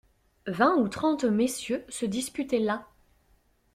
Vingt ou trente messieurs se disputaient là.